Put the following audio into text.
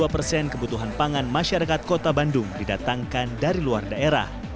sembilan puluh enam empat puluh dua persen kebutuhan pangan masyarakat kota bandung didatangkan dari luar daerah